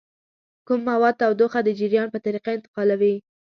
کوم مواد تودوخه د جریان په طریقه انتقالوي؟